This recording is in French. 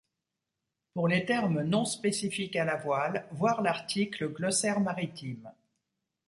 Pour les termes non spécifiques à la voile, voir l'article glossaire maritime.